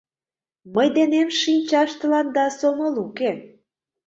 Мый денем шинчаш тыланда сомыл уке.